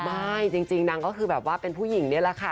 ไม่จริงนางก็คือแบบว่าเป็นผู้หญิงนี่แหละค่ะ